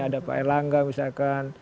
ada pak erlangga misalkan